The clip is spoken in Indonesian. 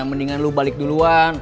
mendingan lu balik duluan